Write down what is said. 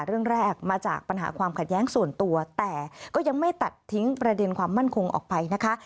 เรื่องแรกมาจากปัญหาความขัดแย้งส่วนตัวแต่ก็ยังไม่ตัดทิ้งประเด็นความมั่นคงออกไปนะคะ